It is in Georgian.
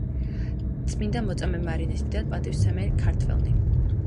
წმინდა მოწამეს მარინეს დიდად პატივს ცემენ ქართველნი.